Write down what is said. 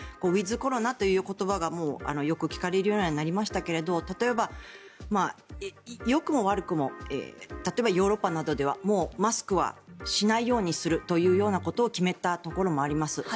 ウィズコロナという言葉がよく聞かれるようにはなりましたけど例えばよくも悪くも例えばヨーロッパなどではもうマスクはしないようにするということを決めたところもあります。